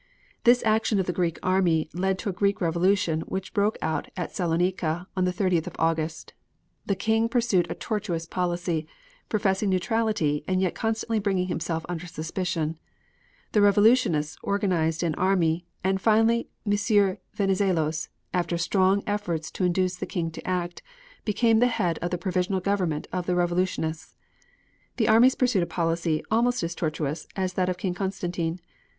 This action of the Greek army led to a Greek revolution which broke out at Saloniki on the 30th of August. The King pursued a tortuous policy, professing neutrality and yet constantly bringing himself under suspicion. The Revolutionists organized an army and finally M. Venizelos, after strong efforts to induce the King to act, became the head of the Provisional Government of the Revolutionists. The Allies pursued a policy almost as tortuous as that of King Constantine.